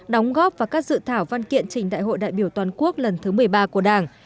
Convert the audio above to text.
đóng góp và các dự thảo văn kiện trình đại hội đại biểu toàn quốc lần thứ một mươi ba của đảng